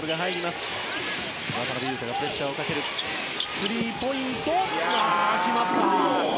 スリーポイント来ました。